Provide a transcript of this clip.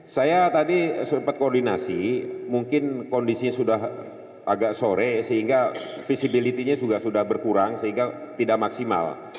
saya tadi sempat koordinasi mungkin kondisinya sudah agak sore sehingga visibility nya juga sudah berkurang sehingga tidak maksimal